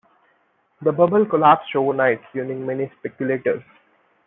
The Bubble collapsed overnight, ruining many speculators.